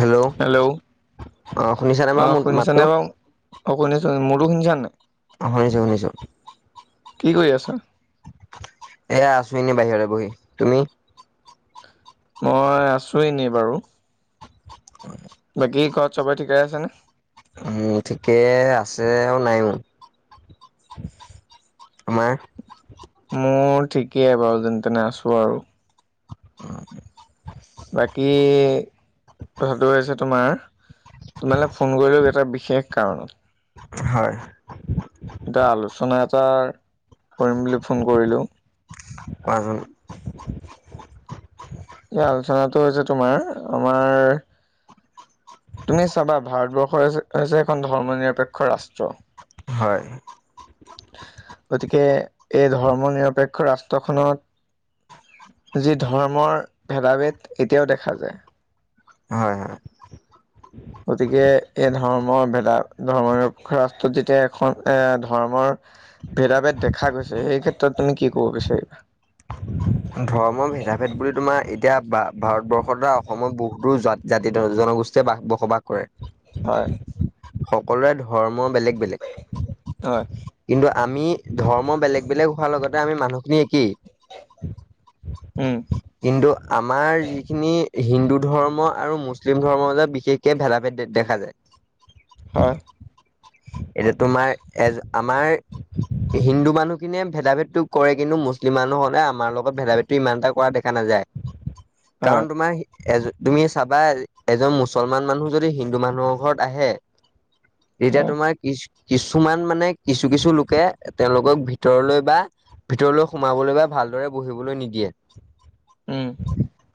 Hello অ শুনিছানে hello বাৰু অ' মোৰ শুনিছা মাতটো নে বাৰু শুনিছোঁ মোৰটো শুনিছা নাই অ শুনিছোঁ শুনিছোঁ। কি কৰি আছা। এয়া আছোঁ এনে বাহিৰতে বহি তুমি। মই আছোঁ এনেই বাৰু। উম বাকী ঘৰত চবৰেই ঠিকেই আছে নে মোৰ ঠিকে আছে আৰু নাইও। আমাৰ মোৰ ঠিকেই বাৰু যেনে তেনে আছোঁ আৰু [inaudible] বাকী কথাটো হৈছে তোমাৰ তোমাৰলৈ ফোন কৰিলোঁ এটা বিশেষ কাৰণত। হয় এটা আলোচনা এটাৰ কৰিম বুলি ফোন কৰিলোঁ। কোৱাচোন? এই আলোচনাটো হৈছে, তোমাৰ আমাৰ তুমি চাবা, ভাৰতবৰ্ষৰ হৈছে এখন ধৰ্ম নিৰপেক্ষ ৰাষ্ট্ৰ হয় গতিকে এই ধৰ্ম নিৰপেক্ষ ৰাষ্ট্ৰখনত- যি ধৰ্মৰ ভেদাভেদ এতিয়াও দেখা যায়। হয়, হয়। গতিকে, এই ধৰ্মৰ ভেদা ভেদ ধৰ্মৰ ৰাষ্ট্ৰত যেতিয়া এখন এ ধৰ্মৰ- ভেদাভেদ দেখা গৈছে। এই ক্ষেত্ৰত তুমি কি কব বিছাৰিবা? ধৰ্মৰ ভেদা -ভেদ বুলি তোমাৰ এতিয়া ভাৰতবৰ্ষৰ পৰা অসমৰ বহুতো জাতি জন জনগোষ্ঠী- যে বাস বসবাস কৰে। হয়। সকলোৰে ধৰ্ম বেলেগ-বেলেগ। হয়। কিন্তু আমি ধৰ্ম বেলেগ- বেলেগ হোৱাৰ লগতে আমি মানুহখিনি একেই। উম। কিন্তু আমাৰ যিখিনি হিন্দু ধৰ্ম আৰু মুছলিম ধৰ্ম যে বিশেষ- কে ভেদা -ভেদ দেখা যায়। হয়। এতিয়া তোমাৰ এজ- আমাৰ হিন্দু মানুহখিনিয়ে ভেদা -ভেদটো কৰে। কিন্তু মুছলিম মানুহখিনি আমাৰ লগত ভেদা -ভেদ- ইমান এটা কৰা দেখা নাযায়। হয়, কাৰণ তোমাৰ- এজ, তুমি চাবা এজন মুছলমান মানুহ যদি হিন্দু মানুহৰ ঘৰত আহে- তেতিয়া হয়, তোমাৰ কি কিছুমান মানে- কিছু- কিছু লোকে তেওঁলোকক ভিতৰলৈ বা- ভিতৰলৈ সোমাবলৈ বা ভালদৰে বহিবলৈ নিদিয়ে। উম।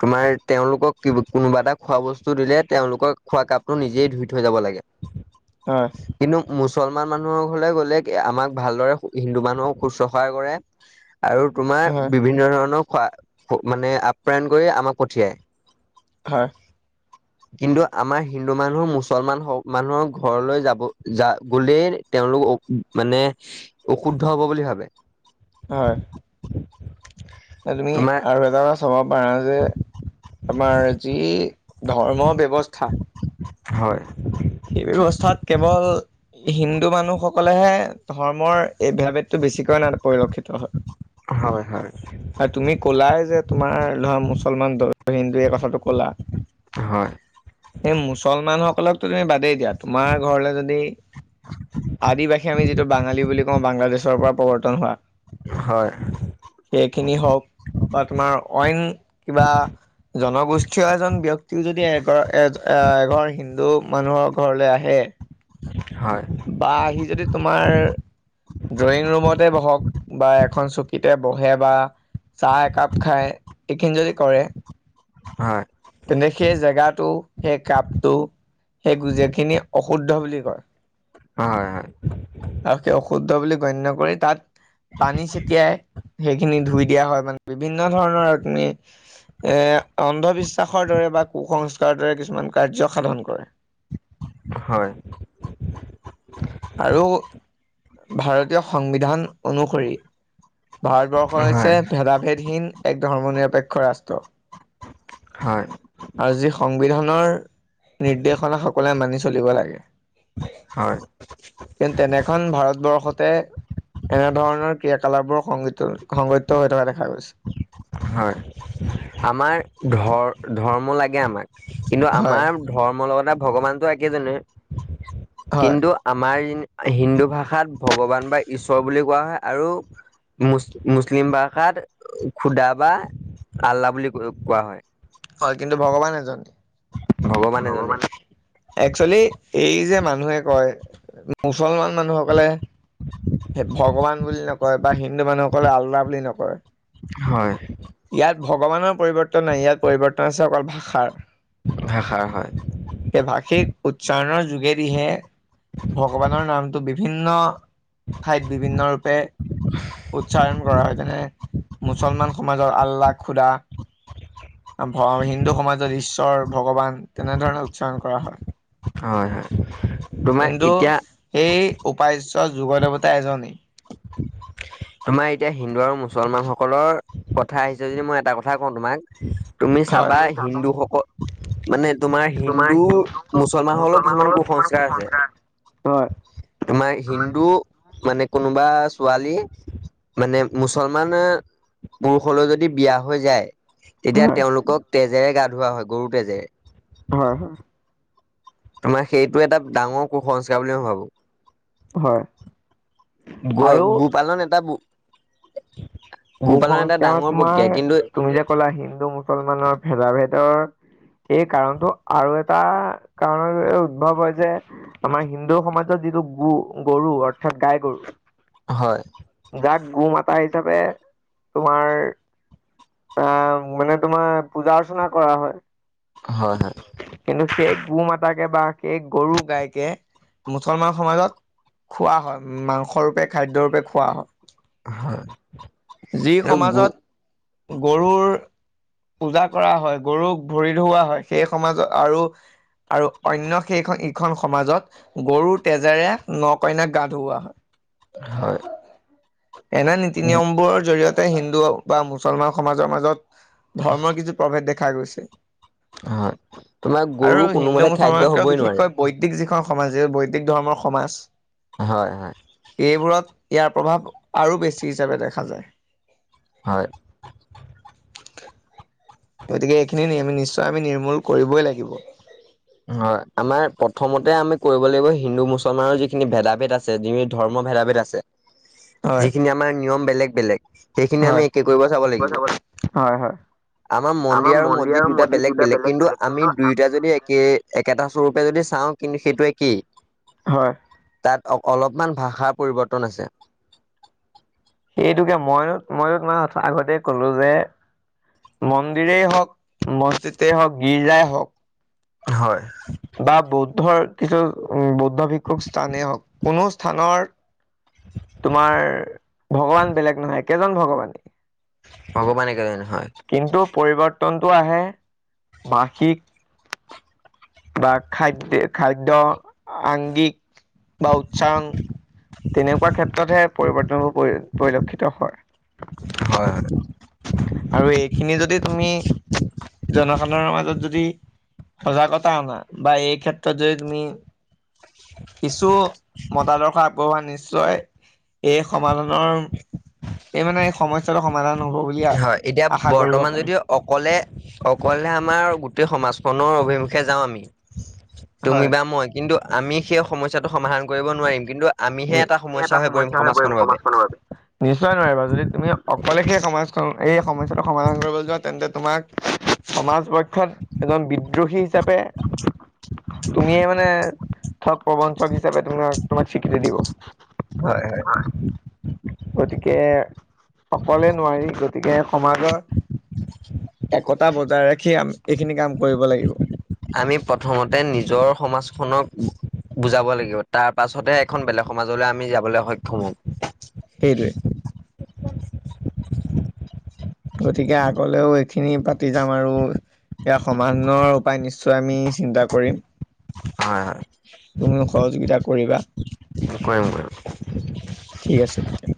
তোমাৰ তেওঁলোকক কোনোবা এটা খোৱা বস্তু দিলে, তেওঁলোকক খোৱা কাপটো নিজেই ধুই থৈ যাব লাগে। হয়। কিন্তু মুছলমান মানুহৰ ঘৰলৈ গ'লে- আমাক ভালদৰে হিন্দু মানুহক শুশ্ৰূষা কৰে আৰু তোমাৰ হয়, বিভিন্ন ধৰণৰ- কোৱা মানে আপ্যায়ন কৰি আমাক পঠিয়ায়। হয়। কিন্তু আমাৰ হিন্দু মানুহ, মুছলমান মানুহৰ ঘৰলৈ যাব য গলে তেওঁলোক- মানে অশুদ্ধ হব বুলি ভাবে। হয়। এতিয়া তুমি তোমাৰ আৰু এটা কথা চাব পাৰা যে- আমাৰ যি ধৰ্ম ব্যৱস্থা হয়। সেই ব্যৱস্থাত কেৱল- হিন্দু মানুহসকলেহে ধৰ্মৰ এই ভেদা -ভেদটো বেছি- পৰিলক্ষিত হয়। হয়, হয়। তুমি ক'লাই যে তোমাৰ ধৰা মুছলমান, হিন্দুৱে এই কথাটো ক'লা। হয়। সেই মুছলমান সকলক তুমি বাদেই দিয়া, তোমাৰ ঘৰলে যদি- আদিবাসী আমি বাঙালী বুলি কওঁ বাংলাদেশৰ পৰা প্ৰৱৰ্তন হোৱা, - হয়। সেইখিনি হওঁক বা তোমাৰ অইন কিবা- জনগোষ্ঠীয় এজন ব্যক্তি যদি এঘৰ এ এ এঘৰ হিন্দু। মানুহৰ ঘৰলে আহে। হয়। বা হি যদি তোমাৰ ড্ৰয়িং ৰুমতে বহক বা এখন চকীতে বহে বা চাহ একাপ খাই, এইখিনি যদি কৰে। হয়। তেন্ত সেই জেগাটো সেই কাপটো সেই গুজেখিনি অশুদ্ধ বুলি কয়। হয়, হয়। আৰু সেই অশুদ্ধ বুলি গণ্য কৰি তাত পানী ছটিয়াই, সেইখিনি ধুই দিয়া হয় মানে। বিভিন্ন ধৰণৰ তুমি। এ অন্ধবিশ্বাসৰ দৰে বা কুসংস্কাৰৰ দৰে কিছুমান কাৰ্য সাধন কৰে। হয়। আৰু ভাৰতীয় সংবিধান অনুসৰি ভাৰতবৰ্ষ হয় হৈছে ভেদাভেদহীন এক ধৰ্ম নিৰপেক্ষ ৰাষ্ট। হয়। আৰু যি সংবিধানৰ, নিৰ্দেশনা সকলোৱে মানি চলিব লাগে। হয়। কতেনেখন ভাৰতবৰ্ষতে এনেধৰণৰ ক্ৰিয়াকলাপ বোৰ সংঘটি সংঘটিত হৈ থকা দেখা গৈছে। হয় আমাৰ ধ ধৰ্ম লাগে আমাক, কিন্তু হয়, আমাৰ ধৰ্ম লগতে ভগৱানতো একেজনেই, হয়, কিন্তু আমাৰ হিন্দু ভাষাত ভগৱান বা ঈশ্বৰ বুলি কোৱা হয়। আৰু মুচ মুছলিম ভাষাত খুদা বা আল্লাহ বুলি ক কোৱা হয়। হয়' কিন্তু ভগৱান এজন, ভগৱান, একচলি এই যে মানুহে কয়, মুছলমান মানুহসকলে সেই ভগৱান বুলি নকয় বা হিন্দু মানুহসকলে আল্লা বুলি নকয়। হয় ইয়াত ভগৱানৰ পৰিৱৰ্তন নাই, ইয়াত পৰিৱৰ্তন আছে অকল ভাষাৰ। ভাষাৰ হয়। সেই ভাষিক উচ্চাৰণৰ যোগেদিহে, ভগৱানৰ নামটো বিভিন্ন ঠাইত বিভিন্ন ৰূপে উচ্চাৰণ কৰা হয়, যেনে মুছলমান সমাজত আল্লাহ খুদা। হিন্দু সমাজত ঈশ্বৰ ভগৱান তেনেধৰণে উচ্চাৰণ কৰা হয়। হয়' হয়‌' হয়'। তোমাৰ কিন্তু এতিয়া সেই উপাস্য যোগ দেৱতা এজনেই। তোমাৰ এতিয়া হিন্দু আৰু মুছলমান সকলৰ কথা আহিছে যদি মই এটা কথা কওঁ তোমাক। তুমি হয়। চাবা তুমি হিন্দুসকল মানে তোমাৰ হিন্দু, মুছলমান হলেও কিছুমান মুছলমানসকলৰ কিমান কুসংস্কাৰ আছে। আছে। হয় তোমাৰ হিন্দু মানে কোনোবা ছোৱালী, মানে মুছলমান পুৰুষলৈ যদি বিয়া হৈ যায়, তেতিয়া হয় তেওঁলোকক তেজেৰে গা ধোৱা হয়, গৰুৰ তেজেৰে। হয়' হয়'। তোমাৰ সেইটো এটা ডাঙৰ কুসংস্কাৰ বুলি মই ভাবোঁ। হয়। গোৱা আৰু গো পালন এটা গোপালন এটা কুসংস্কাৰ ডাঙৰ প্ৰক্ৰিয়া তোমাৰ কিন্তু তুমি যে কলা হিন্দু মুছলমানৰ ভেদা ভেদৰ এই কাৰণটো আৰু এটা কাৰণত উদ্ভৱ হৈছে। আমাৰ হিন্দু সমাজত যিটো গো গৰু অৰ্থাৎ গাই গৰু। হয়। যাক গো মাতা হিচাপে তোমাৰ মানে তোমাৰ পূজা অৰ্চনা কৰা হয়। হয়, হয়। কিন্তু সেই গো মাতাকে বা সেই গৰু গাইকে মুছলমান সমাজত খোৱা হয় মাংসৰূপে খাদ্যৰূপে খোৱা হয়। যি এই গো সমাজত গৰুৰ পূজা কৰা হয়, গৰুক ভৰি ধুওৱা হয় সেই সমাজত আৰু অন্য সেইখন ইখন সমাজত গৰু তেজেৰে ন কইনাক গা ধুওৱা হয়। হয়। এনে নীতি নিয়মবোৰৰ জৰিয়তে হিন্দু বা মুছলমান সমাজৰ মাজত ধৰ্মৰ কিছু প্ৰভেদ দেখা গৈছে। হয় তোমাৰ গৰু আৰু কোনোমতে হিন্দু খাদ্য মুছলমানতকে হবই নোৱাৰে বিশেষকৈ বৈদিক যিখন সমাজ এই বৈদিক ধৰ্মৰ সমাজ। হয়, হয়। এইবোৰত ইয়াৰ প্ৰভাৱ আৰু বেছি হিচাপে দেখা যায়। হয়। গতিকে এইখিনি আমি নিশ্চয় আমি নিৰ্মূল কৰিবই লাগিব। হয়। আমাৰ প্ৰথমতে আমি কৰিব লাগিব হিন্দু মুছলমানৰ যিখিনি ভেদা ভেদ আছে, যিখিনি ধৰ্ম ভেদা ভেদ আছে। উ যিখিনি আমাৰ নিয়ম বেলেগ বেলেগ সেইখিনি হয় আমি একেই কৰিব চাব লাগিব। হয়, হয়। আমাৰ মন্দিৰ আৰু মছজিদ বেলেগ বেলেগ, কিন্তু আমি আমাৰো দুই এতিয়া যদি একে একেটা স্বৰূপে যদি চাওঁ কিন্তু সেইটো একেই। হয়। তাত অ অলপমান ভাষাৰ পৰিৱৰ্তন আছে। সেইটোকে মইও মইও তোমাক আগতে কলোঁ যে মন্দিৰেই হওঁক মছজিদ হওঁক গীৰ্জাই হওঁক হয়। বা বৌদ্ধৰ কিছু উ বৌদ্ধ ভিক্ষুক স্থানেই হওঁক, কোনো স্থানৰ তোমাৰ ভগৱান বেলেগ নহয় একেজন ভগৱানেই। ভগৱানে কেইজন হয়। কিন্তু পৰিৱৰ্তনটো আহে ভাষিক বা খাদ্ খাদ্য আংগিক বা উচ্চাৰণ তেনেকুৱা ক্ষেত্ৰতহে পৰিৱৰ্তনবোৰ পৰি পৰিলক্ষিত হয়। হয়, হয়। আৰু এইখিনি যদি তুমি জনসাধাৰণৰ মাজত যদি সজাগতা অনা, বা এই ক্ষেত্ৰত যদি তুমি কিছু মতাৰ্দশ পাবা নিশ্চয়, এই সমাধানৰ এই মানে সমস্যাটো সমাধান হ'ব বুলিয় হয়, এতিয়া আশা কৰিব বৰ্তমান পাৰি। যদি অকলে, অকলে আমাৰ গোটেই, সমাজখনৰ অভিমুখে যাওঁ আমি। তুমি হয় বা মই কিন্তু, আমি সেই, সমস্যাটো সমাধান কৰিব নোৱাৰিম। কিন্তু আমিহে এটা সমস্যা হৈ পৰিম, সমাজখনৰ বাবে। নিশ্চয় নোৱাৰিবা, যদি তুমি অকলে সেই, সমাজখন এই সমস্যাটো সমাধান কৰিবলৈ যোৱা, তেন্তে তোমাক সমাজপক্ষত এজন বিদ্ৰোহী হিচাপে, তুমিয়ে মানে থগ, প্ৰবঞ্চক হিচাপে তোমাক, তোমাক স্বীকৃতি দিব। হয়, হয়। গতিকে অকলে নোৱাৰি, গতিকে সমাজৰ [inaudible] একতা বজাই ৰাখি, আম, এইখিনি কাম কৰিব লাগিব। আমি প্ৰথমতে নিজৰ সমাজখনক। বুজাব লাগিব, তাৰপাছতহে এখন বেলেগ সমাজলৈ, আমি যাবলৈ সক্ষম হওঁ। সেইটোৱে। গতিকে আগলেও, এইখিনি পাতি যাম, আৰু ইয়াৰ সমাধানৰ উপায়, নিশ্চয় আমি চিন্তা কৰিম। হয় হয় তুমিও সহযোগিতা কৰিবা। কৰিম কৰিম ঠিক আছে, তেতিয়া।